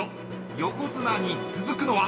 ［横綱に続くのは］